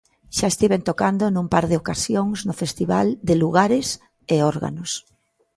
Xa estiven tocando nun par de ocasións no festival De Lugares e Órganos.